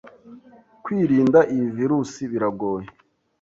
kwirinda iyi virus biragoye